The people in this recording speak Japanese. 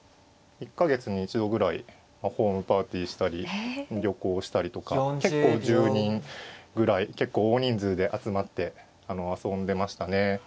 １か月に一度ぐらいホームパーティーしたり旅行したりとか結構１０人ぐらい結構大人数で集まって遊んでましたね。